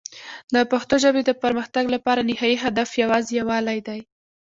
د پښتو ژبې د پرمختګ لپاره نهایي هدف یوازې یووالی دی.